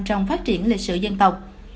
trong phát triển lịch sử dân tộc